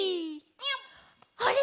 「あれ！